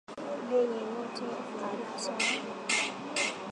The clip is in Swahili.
Ili yeyote amwaminio aokoke.